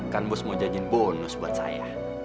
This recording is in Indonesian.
kan bos mau janjiin bonus buat saya